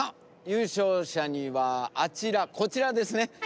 優勝者にはこちらですね。